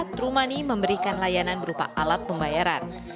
truemoney memberikan layanan berupa alat pembayaran